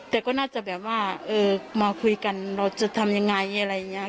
แต่ก็น่าจะแบบว่าเออมาคุยกันเราจะทำยังไงอะไรอย่างนี้